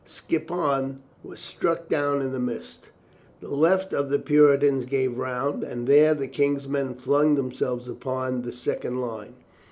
Skippon was struck down in the midst. The left of the Puritans gave round and there the King's men flung them selves upon the second line.